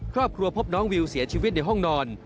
ครอบครัวพบน้องวิวเสียชีวิตในห้องนอน